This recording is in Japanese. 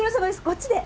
こっちで。